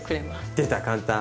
出た簡単。